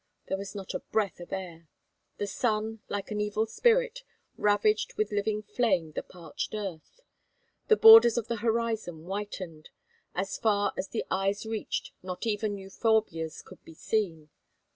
There was not a breath of air. The sun, like an evil spirit, ravaged with living flame the parched earth. The borders of the horizon whitened. As far as the eyes reached not even euphorbias could be seen.